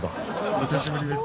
お久しぶりです。